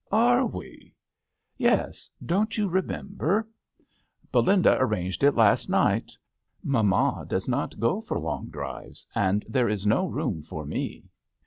"Are we? "" Yes. Don't you remember ? Belinda arranged it last night. Mamma does not go for long drives, and there is no room for me."